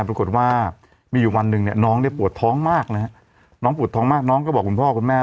ปรากฏว่ามีอยู่วันหนึ่งเนี่ยน้องเนี่ยปวดท้องมากนะฮะน้องปวดท้องมากน้องก็บอกคุณพ่อคุณแม่